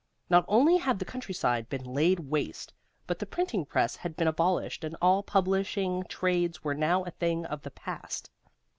Not only had the countryside been laid waste, but the printing press had been abolished and all publishing trades were now a thing of the past.